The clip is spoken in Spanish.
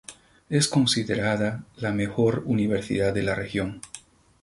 Es considerada la "Mejor Universidad de la región".